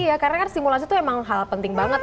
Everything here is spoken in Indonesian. iya karena kan simulasi itu emang hal penting banget